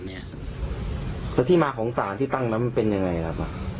แล้วที่มาของสารที่ตั้งนั้นมันเป็นยังไงครับ